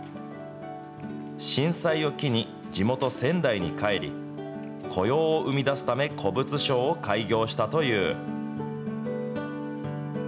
震災を機に、地元、仙台に帰り、雇用を生み出すため、古物商を開業したという。